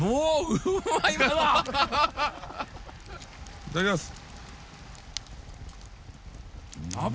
いただきます。